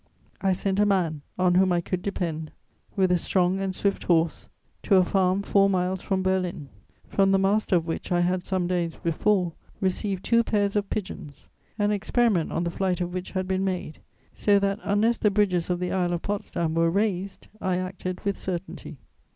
I sent a man, on whom I could depend, with a strong and swift horse to a farm four miles from Berlin, from the master of which I had some days before received two pairs of pigeons, an experiment on the flight of which had been made; so that, unless the bridges of the isle of Potsdam were raised, I acted with certainty....